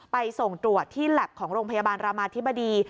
ไปส่งตรวจที่แล็บของโรงพยาบาลรามาธิบดี